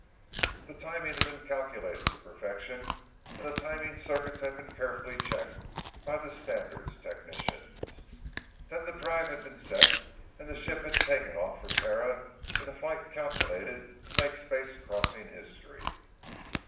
The timing had been calculated to perfection and the timing circuits had been carefully checked by the Standards Technicians. Then the drive had been set and the ship had taken off for Terra in a flight calculated to make space crossing history.